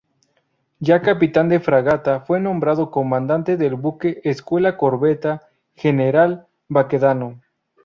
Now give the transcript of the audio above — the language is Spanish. Ya capitán de fragata, fue nombrado comandante del buque escuela corbeta "General Baquedano".